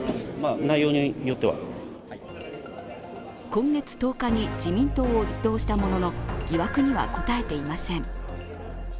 今月１０日に自民党を離党したものの疑惑には答えていません。